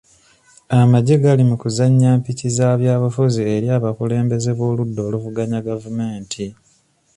Amagye gali mu kuzannya mpiki za byabufuzi eri abakulembeze b'oludda oluvuganya gavumenti.